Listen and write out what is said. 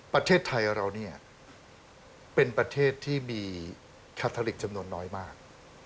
ประเทศไทยเราเนี่ยเป็นประเทศที่มีแคทอลิกจำนวนน้อยมาก